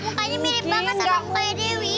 mukanya mirip banget sama muka dewi